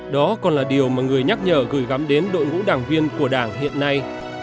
đó còn là điều mà người nhắc nhở gửi gắm đến đội ngũ đảng viên của đảng hiện nay